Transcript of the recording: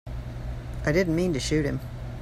I didn't mean to shoot him.